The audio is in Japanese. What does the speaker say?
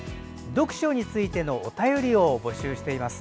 読書についてのお便りを募集しています。